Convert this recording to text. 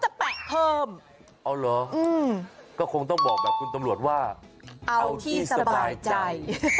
แปะเพิ่มเอาเหรอก็คงต้องบอกแบบคุณตำรวจว่าเอาที่สบายใจ